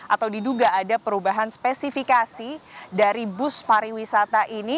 atau diduga ada perubahan spesifikasi dari bus pariwisata ini